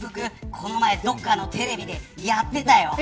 この前、どこかのテレビでやってたよ。